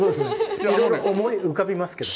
いろいろ思い浮かびますけど。